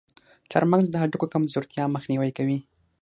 چارمغز د هډوکو کمزورتیا مخنیوی کوي.